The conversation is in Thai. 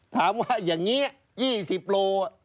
ถามว่าอย่างนี้๒๐โล